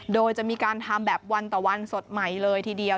โดยจะมีการทำแบบวันต่อวันสดใหม่เลยทีเดียว